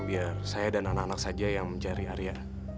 biar saya dan anak anak saja yang mencari arya